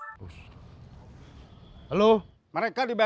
ini keahlian pusing rakit barang di nolan